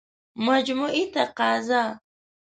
مجموعي تقاضا